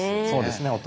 そうですね。